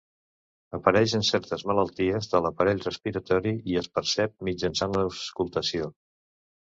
Apareix en certes malalties de l'aparell respiratori i es percep mitjançant l'auscultació.